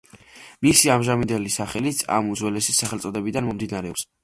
მისი ამჟამინდელი სახელიც ამ უძველესი სახელწოდებიდან მომდინარეობს.